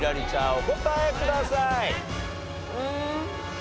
お答えください。